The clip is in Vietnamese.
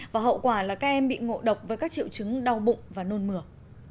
và hậu quả là các em bị ngộ độc với các triệu chứng đau bụng và nôn mửa